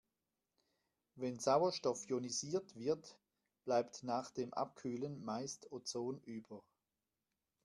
Wenn Sauerstoff ionisiert wird, bleibt nach dem Abkühlen meist Ozon über.